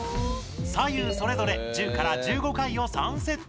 左右それぞれ１０から１５回を３セット！